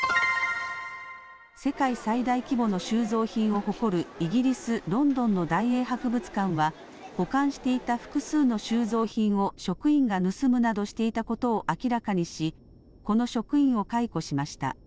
世界最大規模の収蔵品を誇るイギリス・ロンドンの大英博物館は保管していた複数の収蔵品を職員が盗むなどしていたことを明らかにし、この職員を解雇しました。